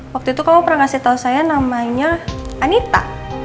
waktu itu kamu pernah ngasih tau saya namanya anita